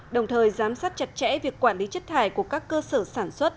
đồng thời giám sát chặt chẽ việc quản lý chất thải của các cơ sở sản xuất